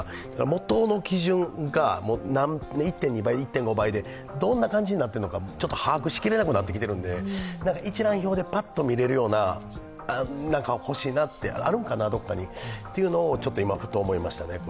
元の基準が、１．２倍、１．５倍で、どんな感じになっているのか把握しきれなくなってきているので、一覧表でぱっと見られるような何か欲しいなってあるんかな、どこかにというのをちょっとふと思いましたね。